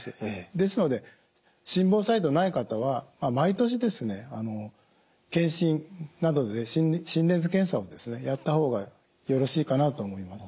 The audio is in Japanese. ですので心房細動ない方は毎年健診などで心電図検査をやった方がよろしいかなと思います。